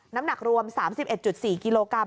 น้ำหนักรวม๓๑๔กิโลกรัม